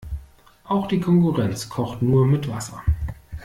Auch die Konkurrenz kocht nur mit Wasser.